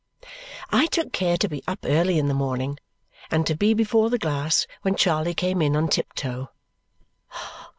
I took care to be up early in the morning and to be before the glass when Charley came in on tiptoe.